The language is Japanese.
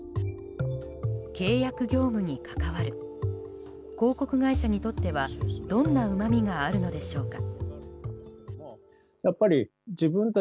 契約業務に関わる広告会社にとってはどんなうまみがあるのでしょうか。